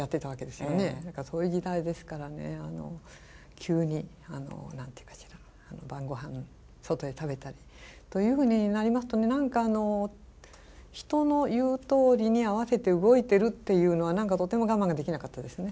急に何て言うかしら晩ごはん外で食べたりというふうになりますとね何か人の言うとおりに合わせて動いてるっていうのは何かとても我慢ができなかったですね。